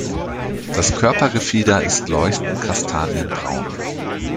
Das Körpergefieder ist leuchtend kastanienbraun.